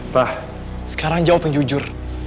pak sekarang jawab yang jujur